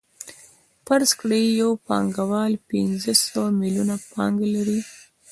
فرض کړئ یو پانګوال پنځه سوه میلیونه پانګه لري